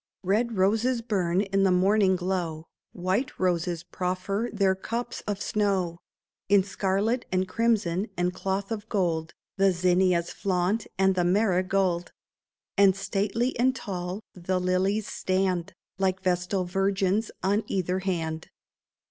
Red roses burn in the morning glow ; White roses proffer their cups of snow ; In scarlet and crimson and cloth of gold The zinnias flaunt, and the marigold ; And stately and tall the lilies stand. Like vestal virgins, on either hand.